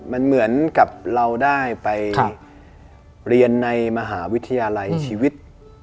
มันเหมือนกับเราได้ไปเรียนในมหาวิทยาลัยชีวิต